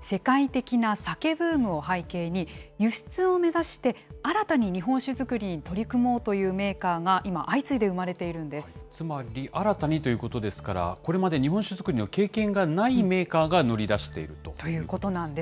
世界的なＳＡＫＥブームを背景に、輸出を目指して新たに日本酒造りに取り組もうというメーカーが今、つまり、新たにということですから、これまで日本酒造りの経験がないメーカーが乗り出していということなんです。